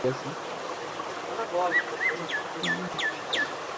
বোহ, এখানের অবস্থা আমার অনুমান থেকেও ভয়াবহ।